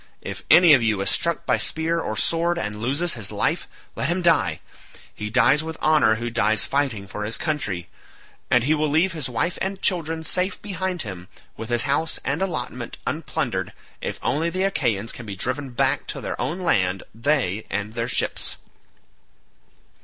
If any of you is struck by spear or sword and loses his life, let him die; he dies with honour who dies fighting for his country; and he will leave his wife and children safe behind him, with his house and allotment unplundered if only the Achaeans can be driven back to their own land, they and their ships."